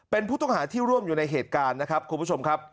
เป็นผู้ต้องหาที่ร่วมอยู่ในเหตุการณ์นะครับคุณผู้ชมครับ